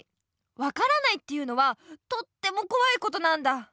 わからないっていうのはとってもこわいことなんだ。